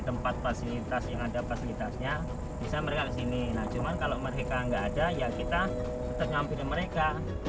tempat fasilitas yang ada fasilitasnya bisa mereka di sini nah cuman kalau mereka enggak ada ya kita